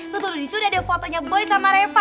lu tuh disuruh ada fotonya boy sama reva